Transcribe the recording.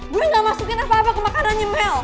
gue gak masukin apa apa ke makanannya mel